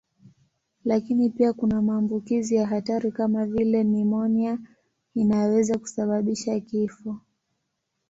Lakini pia kuna maambukizi ya hatari kama vile nimonia inayoweza kusababisha kifo.